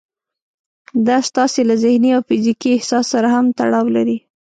دا ستاسې له ذهني او فزيکي احساس سره هم تړاو لري.